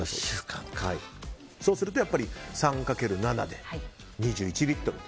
そうすると、やっぱり３かける７で２１リットル。